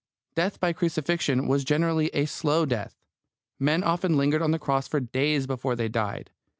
Death by crucifixion was generally a slow death. Men often lingered on the cross for days before they died.